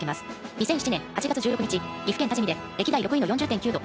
２００７年８月１６日岐阜県多治見で歴代６位の４０．９度。